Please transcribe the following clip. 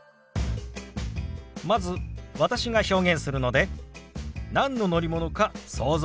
まず私が表現するので何の乗り物か想像してください。